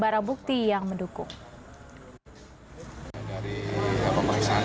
barang bukti yang mendukung